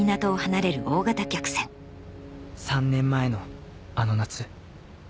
３年前のあの夏